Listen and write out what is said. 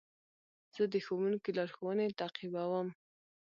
زه د ښوونکي لارښوونې تعقیبوم.